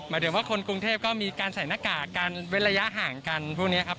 ถึงว่าคนกรุงเทพก็มีการใส่หน้ากากการเว้นระยะห่างกันพวกนี้ครับ